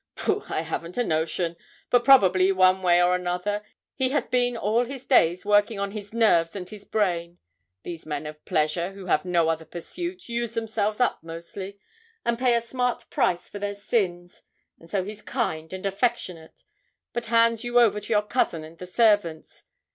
'Pooh! I haven't a notion; but, probably, one way or another, he has been all his days working on his nerves and his brain. These men of pleasure, who have no other pursuit, use themselves up mostly, and pay a smart price for their sins. And so he's kind and affectionate, but hands you over to your cousin and the servants.